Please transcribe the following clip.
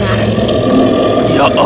kau bisa mendengar